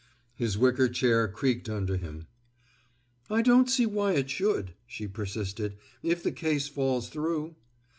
His wicker chair creaked under him. "I don't see why it should," she persisted, "if the case falls through."